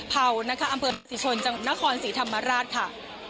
เผานะคะอำเภอศรีชนจังหวัดนครศรีธรรมราชค่ะ